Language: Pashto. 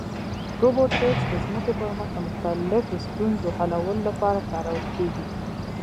روبوټیکس د ځمکې پر مخ د مختلفو ستونزو حلولو لپاره کارول کېږي.